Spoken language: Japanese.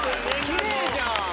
きれいじゃん。